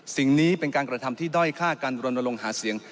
สิ่งนี้เป็นการกระทำที่ด้อยฆ่าการรณรงค์หาเสียง